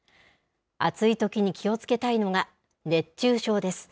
暑いときに気をつけたいのが、熱中症です。